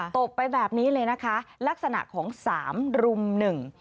ตบไปแบบนี้เลยนะคะลักษณะของสามรุมหนึ่ง